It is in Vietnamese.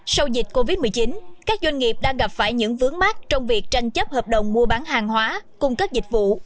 sau dịch covid một mươi chín các doanh nghiệp đang gặp phải những vướng mắt trong việc tranh chấp hợp đồng mua bán hàng hóa cung cấp dịch vụ